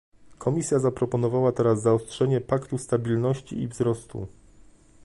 Komisja zaproponowała teraz zaostrzenie paktu stabilności i wzrostu